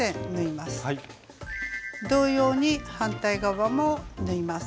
同様に反対側も縫います。